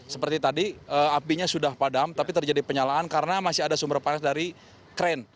seperti tadi apinya sudah padam tapi terjadi penyalaan karena masih ada sumber panas dari kren